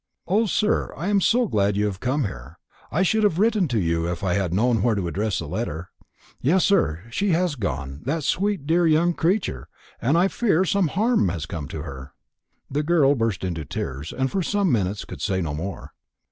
"O, sir, I am so glad you have come here; I should have written to you if I had known where to address a letter. Yes, sir, she has gone that dear sweet young creature and I fear some harm has come to her." The girl burst into tears, and for some minutes could say no more.